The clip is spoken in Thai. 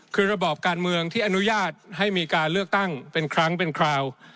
คือระบอบการเมืองที่อนุญาตให้มีการเลือกตั้งเป็นครั้งเป็นคราว